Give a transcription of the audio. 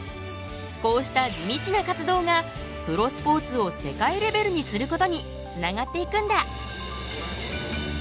こうした地道な活動がプロスポーツを世界レベルにすることにつながっていくんだ。